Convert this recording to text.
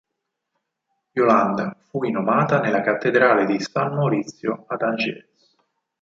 Iolanda fu inumata nella cattedrale di San Maurizio ad Angers.